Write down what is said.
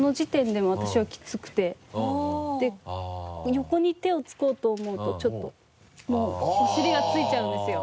横に手をつこうと思うとちょっともうお尻がついちゃうんですよ。